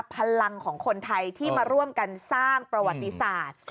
พลังของคนไทยที่มาร่วมกันสร้างประวัติศาสตร์